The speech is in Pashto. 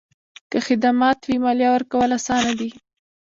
که خدمات وي، مالیه ورکول اسانه دي؟